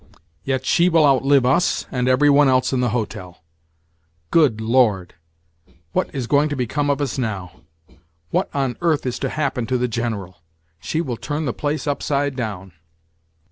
"Yet she will outlive us, and every one else in the hotel. Good Lord! what is going to become of us now? What on earth is to happen to the General? She will turn the place upside down!"